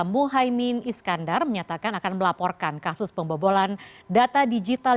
muhaymin iskandar menyatakan akan melaporkan kasus pembobolan data digital